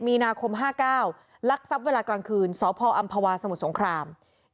มีนาคม๕๙ลักทรัพย์เวลากลางคืนสพอำภาวาสมุทรสงคราม